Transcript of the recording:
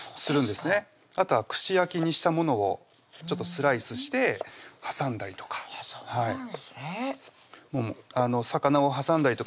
あとは串焼きにしたものをちょっとスライスして挟んだりとかあっそうなんですね